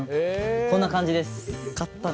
こんな感じです。